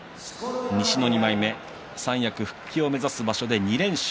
西の２枚目三役復帰を目指す場所で２連勝。